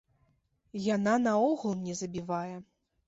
Яна наогул не забівае.